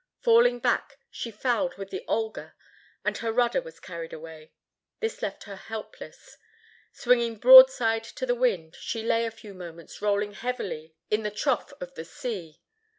Falling back, she fouled with the Olga, and her rudder was carried away. This left her helpless. Swinging broadside to the wind, she lay a few moments rolling heavily in the trough of the sea.